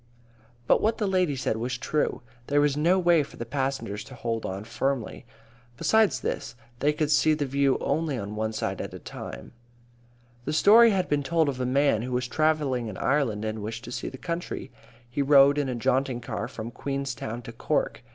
But what the lady said was true. There was no way for the passengers to hold on firmly. Besides this, they could see the view on only one side at a time. A story has been told of a man who was travelling in Ireland and wished to see the country. He rode in a jaunting car from Queenstown to Cork.